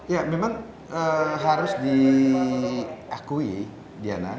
ya memang harus diakui diana